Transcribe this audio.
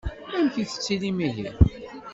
Amek i tettilim ihi?